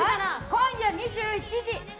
今夜２１時。